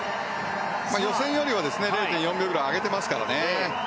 予選よりは０．４秒ぐらい上げてますからね。